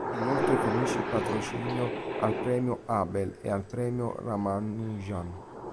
Inoltre fornisce il patrocinio al premio Abel e al premio Ramanujan.